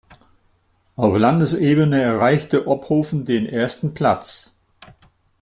Auf Landesebene erreichte Ophoven den ersten Platz.